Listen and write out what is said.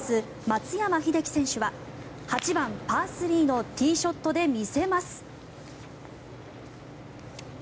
松山英樹選手は８番、パー３のティーショットで見せます。